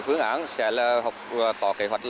phương án sẽ tỏ kế hoạch